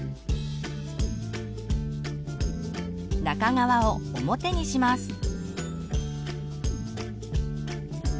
中側を表にします。